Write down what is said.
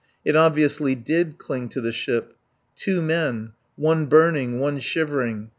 It obviously did cling to the ship. Two men. One burning, one shivering.